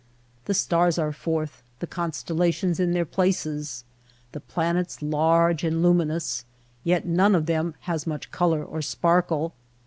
The stars are forth, the constellations in their places, the planets large and luminous, yet none of them has much color or sparkle.